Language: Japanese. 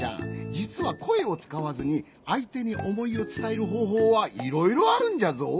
じつはこえをつかわずにあいてにおもいをつたえるほうほうはいろいろあるんじゃぞ。